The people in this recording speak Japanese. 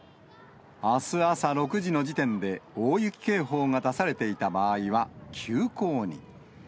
あす朝６時の時点で大雪警報が出されていた場合は、休校に。